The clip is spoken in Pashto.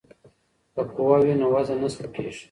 که قوه وي نو وزن نه سپکیږي.